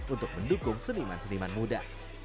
untuk mendukung seniman seniman muda